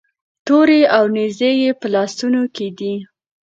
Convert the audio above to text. تورې او نیزې یې په لاسونو کې دي.